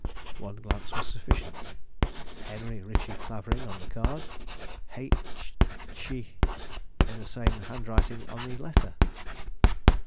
One glance was sufficient. Henry Ritchie Clavering on the card; H chie in the same handwriting on the letter.